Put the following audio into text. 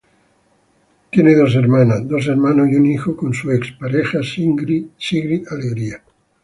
Tiene dos hermanas, dos hermanos y un hijo con su ex pareja Sigrid Alegría.